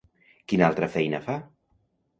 Quina altra feina fa?